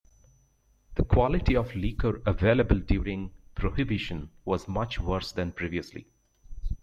The quality of liquor available during Prohibition was much worse than previously.